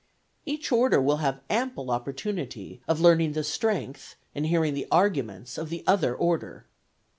Each order will have ample opportunity of learning the strength and hearing the arguments of the other order.